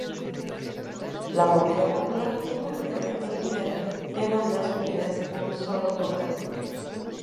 La movida popular tiene una gran cantidad de bandas unidas en un solo programa.